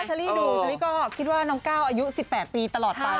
พอเฉลี่ยดูเฉลี่ยก็คิดว่าน้องก้าวอายุ๑๘ปีตลอดไป